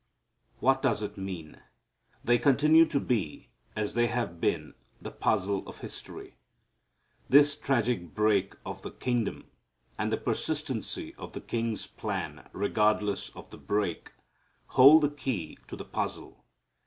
What does it mean? They continue to be, as they have been, the puzzle of history. This tragic break of the kingdom and the persistency of the King's plan regardless of the break hold the key to the puzzle.